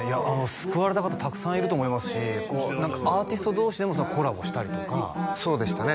救われた方たくさんいると思いますしアーティスト同士でもコラボしたりとかそうでしたね